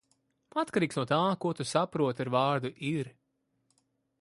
Atkarīgs no tā, ko tu saproti ar vārdu "ir".